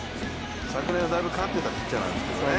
昨年はだいぶ勝ってた投手なんですけどね。